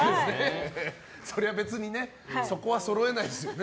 そりゃ、別にねそこはそろえないですよね。